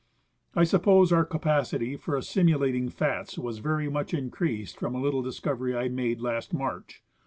I suppose our capacity for assimilating fats was very much increased from a little discovery I made last March.